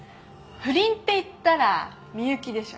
不倫っていったら美由紀でしょ。